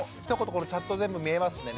このチャット全部見えますんでね